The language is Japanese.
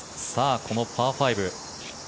このパー５。